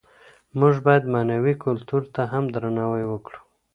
موږ بايد معنوي کلتور ته هم درناوی وکړو.